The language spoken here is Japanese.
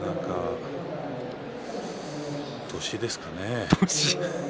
年ですかね。